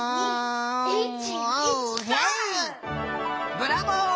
ブラボー！